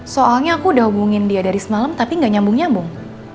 soalnya aku udah hubungin dia dari semalam tapi gak nyambung nyambung